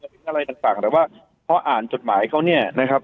ถึงอะไรต่างแต่ว่าพออ่านจดหมายเขาเนี่ยนะครับ